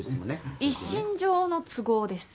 一身上の都合です。